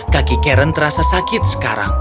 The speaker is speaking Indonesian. kaki karen terasa sakit sekarang